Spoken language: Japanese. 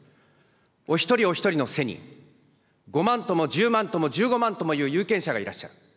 お一人お一人の背に５万とも１０万とも１５万ともいう有権者がいらっしゃる。